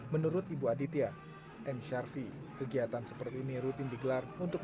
menurut ibu aditya m syarfi kegiatan seperti ini rutin digelar untuk